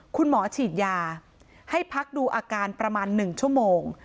คุณหมอฉีดยาให้พักดูอาการประมาณ๑ชั่วโมง